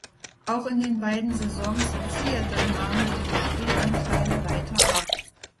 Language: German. Auch in den beiden Saisons in Seattle nahmen ihre Spielanteile weiter ab.